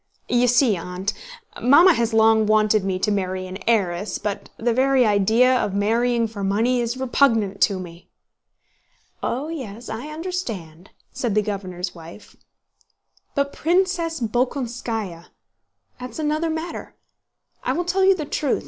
"You see, Aunt, Mamma has long wanted me to marry an heiress, but the very idea of marrying for money is repugnant to me." "Oh yes, I understand," said the governor's wife. "But Princess Bolkónskaya—that's another matter. I will tell you the truth.